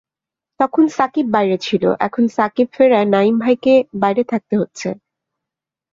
তখন সাকিব বাইরে ছিল, এখন সাকিব ফেরায় নাঈম ভাইকে বাইরে থাকতে হচ্ছে।